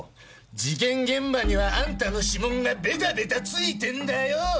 事件現場にはあんたの指紋がベタベタついてんだよ！